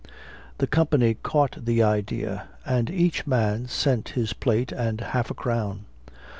The company caught the idea, and each man sent his plate and half a crown.